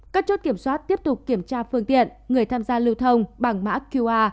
các chốt kiểm soát tiếp tục kiểm tra phương tiện người tham gia lưu thông bằng mã qr